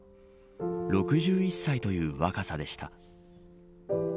６１歳という若さでした。